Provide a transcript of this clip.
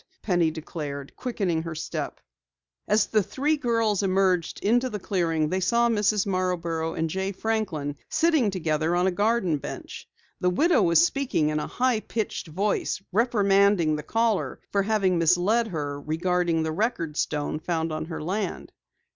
Penny declared, quickening her step. As the three friends emerged into the clearing they saw Mrs. Marborough and Jay Franklin sitting together on a garden bench. The widow was speaking in a high pitched voice, reprimanding the caller for having misled her regarding the record stone found on her land.